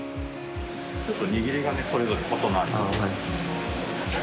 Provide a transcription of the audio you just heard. ちょっと握りがねそれぞれ異なる。